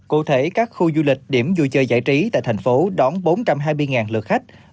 cụ thể các khu du lịch điểm vui chơi giải trí tại thành phố đón bốn trăm hai mươi lượt khách